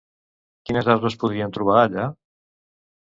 Quines aus es podien trobar, allà?